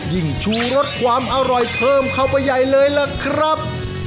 ชูรสความอร่อยเพิ่มเข้าไปใหญ่เลยล่ะครับ